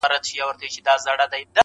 څو به زمان ګرځوي موجونه له بېړیو،